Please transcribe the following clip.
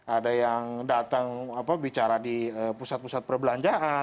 ada yang datang bicara di pusat pusat perbelanjaan